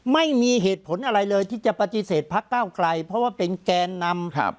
ไม่มีเหตุผลอะไรเลยที่จะปฏิเสธพักเก้าไกลเพราะว่าเป็นแกนนำ